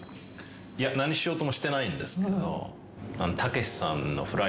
いや何しようともしてないんですけどたけしさんの。